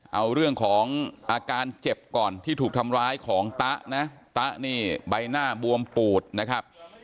เอาเรื่องของอาการเจ็บก่อนที่ถูกทำร้ายของตะนะตะนี่ใบหน้าบวมปูดนะครับ